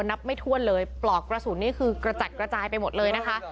นับไม่ถ้วนเลยปลอกกระสุนนี่คือกระจัดกระจายไปหมดเลยนะคะ